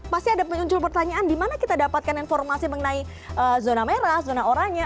pasti ada muncul pertanyaan di mana kita dapatkan informasi mengenai zona merah zona oranye